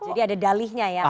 jadi ada dalihnya ya